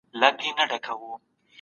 د جرګي بودیجه څوک کنټرولوي؟